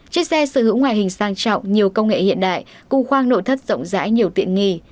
chiếc xe sở hữu ngoại hình sang trọng nhiều công nghệ hiện đại cung khoang nội thất rộng rãi nhiều tiện nghi